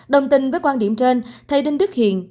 đồng tình với quan điểm trên thầy đinh đức hiền